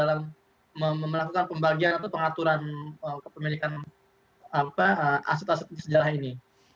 dalam melakukan pembagian atau pengaturan kepemilikan aset aset sejarah ini